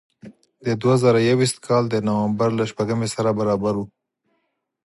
د دوه زره یو ویشت کال د نوامبر له شپږمې سره برابر و.